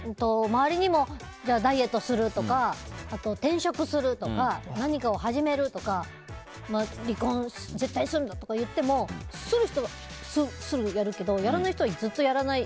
周りにも、ダイエットするとか転職するとか何かを始めるとか離婚、絶対するんだって言ってもする人はすぐやるけどやらない人はずっとやらない。